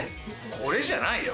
これじゃないよ。